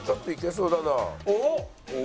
おっ！